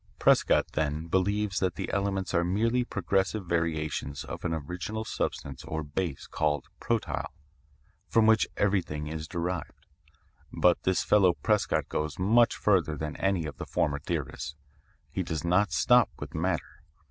Prescott, then, believes that the elements are merely progressive variations of an original substance or base called 'protyle,' from which everything is derived. But this fellow Prescott goes much further than any of the former theorists. He does not stop with matter.